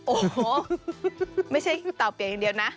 โอ้โหไม่ใช่เต่าเปียกอย่างเดียวนะ